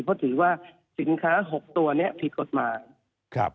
เพราะถือว่าสินค้า๖ตัวนี้ผิดออกมา